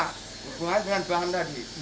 hubungan dengan bahan